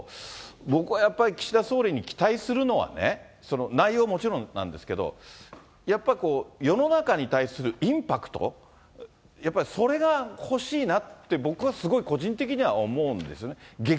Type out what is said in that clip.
僕はやっぱり、岸田総理に期待するのは、内容はもちろんなんですけど、やっぱこう、世の中に対するインパクト、やっぱりそれが欲しいなって、僕はすごい個人的には思うんです。